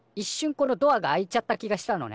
このドアが開いちゃった気がしたのね。